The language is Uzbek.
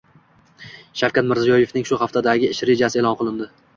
Shavkat Mirziyoyevning shu haftadagi ish rejasi e’lon qilindi